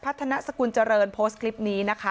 พัฒนาสกุลเจริญโพสต์คลิปนี้นะคะ